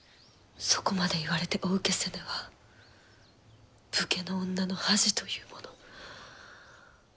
そこまで言われてお受けせぬは武家の女の恥というもの。